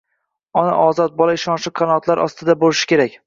ona ozod, bola ishonchli qanotlar ostida bo'lishi kerak.